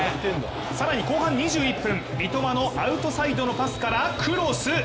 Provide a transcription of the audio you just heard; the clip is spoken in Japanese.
さらに後半２１分三笘のアウトサイドのパスからクロス。